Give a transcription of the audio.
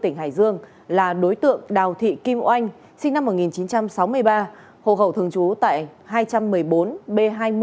tỉnh hải dương là đối tượng đào thị kim oanh sinh năm một nghìn chín trăm sáu mươi ba hộ khẩu thường trú tại hai trăm một mươi bốn b hai mươi